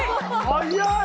早い！